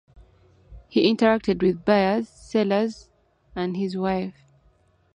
He interacted with buyers, sellers and his wife.